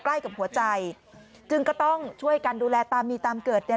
ใกล้กับหัวใจจึงก็ต้องช่วยกันดูแลตามมีตามเกิดเนี่ย